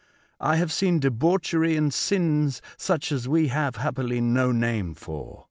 I have seen debauchery and sins, such as we have, happily, no name for.